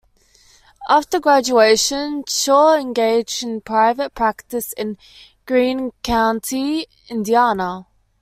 After graduation, Shaw engaged in private practice in Greene County, Indiana.